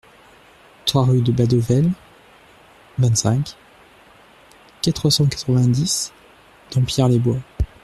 trois rue de Badevel, vingt-cinq, quatre cent quatre-vingt-dix, Dampierre-les-Bois